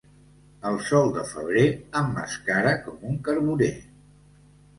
El sol de febrer emmascara com un carboner.